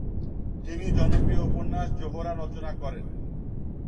তিনি জনপ্রিয় উপন্যাস জোহরা রচনা করেন।